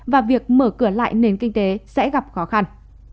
và việc mở cửa lại nền kinh tế sẽ gặp khó khăn